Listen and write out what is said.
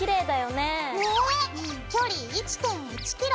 ねえ距離１．１キロ。